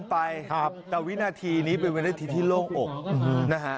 แต่วินาทีนี้เป็นวินาทีที่โล่งอกนะฮะ